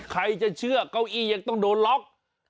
ใครจะเชื่อเก้าอี้ยังต้องโดนล็อก